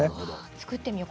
作ってみよう。